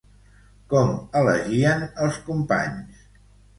Com elegien els companys?